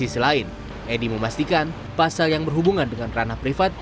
di sisi lain edi memastikan pasal yang berhubungan dengan ranah privat